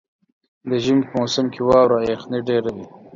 د ژمي په موسم کې واوره او یخني ډېره وي.